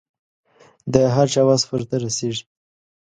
د هر چا وس ورته رسېږي.